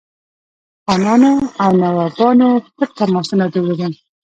خانانو او نوابانو پټ تماسونه درلودل.